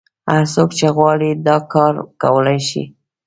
هر څوک چې وغواړي دا کار کولای شي.